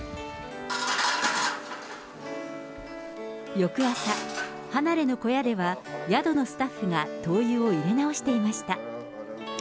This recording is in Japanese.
翌朝、離れの小屋では、宿のスタッフが灯油を入れ直していました。